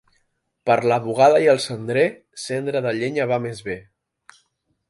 Per la bugada i el cendrer, cendra de llenya va més bé.